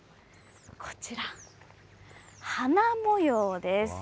こちら、花模様です。